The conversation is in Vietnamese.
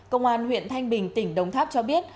công an huyện thanh bình tỉnh đồng tháp cho biết